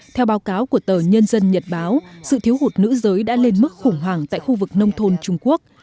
theo báo cáo của tờ nhân dân nhật báo sự thiếu hụt nữ giới đã lên mức khủng hoảng tại khu vực nông thôn trung quốc